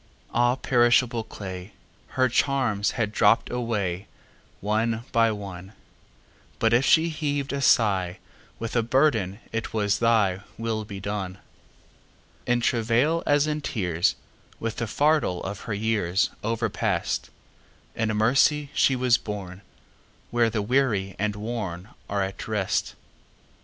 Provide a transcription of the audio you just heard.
Ah, perishable clay! Her charms had dropp'd awayOne by one; But if she heav'd a sighWith a burden, it was, "ThyWill be done."In travail, as in tears, With the fardel of her yearsOverpast, In mercy she was borneWhere the weary and wornAre at rest.